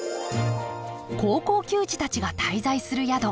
高校球児たちが滞在する宿。